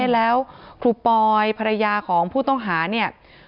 แล้วครูปอยภรรยาของผู้ต้องหาเนี่ย